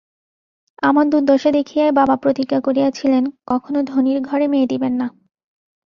আমার দুর্দশা দেখিয়াই বাবা প্রতিজ্ঞা করিয়াছিলেন, কখনো ধনীর ঘরে মেয়ে দিবেন না।